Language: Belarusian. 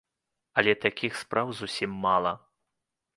Але такіх спраў зусім мала.